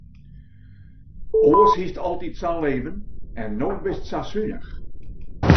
Oars hiest altyd sa'n leven en no bist sa sunich.